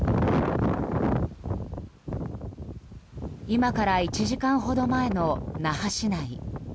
今から１時間ほど前の那覇市内。